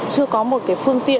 chưa có một cái phương tiện